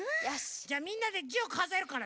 じゃあみんなで１０かぞえるからね。